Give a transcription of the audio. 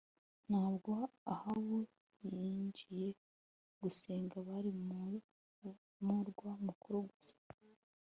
Ntabwo Ahabu yinjije gusenga Bali mu murwa mukuru gusa